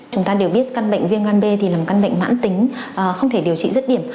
chúng ta đều biết căn bệnh viêm gan b thì là một căn bệnh mãn tính không thể điều trị rất điểm